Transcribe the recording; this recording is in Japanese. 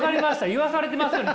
言わされてますよね？